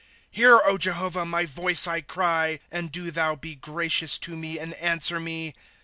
' Hear, Jehovah, my voice, T cry ; And do thou be gracious to me, and answer me.